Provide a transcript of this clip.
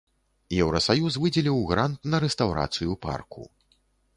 Еўрасаюз выдзеліў грант на рэстаўрацыю парку.